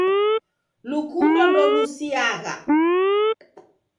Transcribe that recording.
Lukundo ndelusiagha.